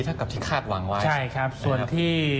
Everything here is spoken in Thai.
เท่ากับที่คลาดหวังไว้